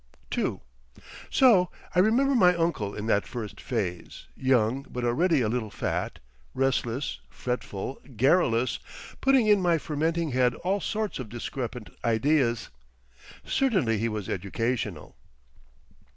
II So I remember my uncle in that first phase, young, but already a little fat, restless, fretful, garrulous, putting in my fermenting head all sorts of discrepant ideas. Certainly he was educational....